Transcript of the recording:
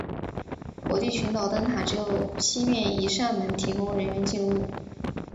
火地群岛灯塔只有西面一扇门提供人员进入。